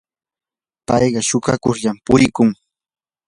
payqa shuukakullar purikun.